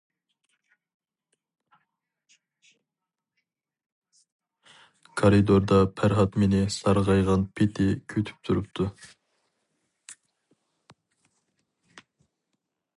كارىدوردا پەرھات مېنى سارغايغان پېتى كۈتۈپ تۇرۇپتۇ.